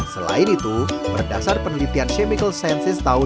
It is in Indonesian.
selain itu berdasar penelitian chemical sciences tahun dua ribu dua puluh